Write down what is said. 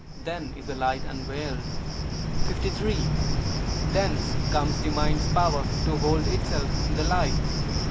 Then is the light unveiled. 53. Thence comes the mind's power to hold itself in the light.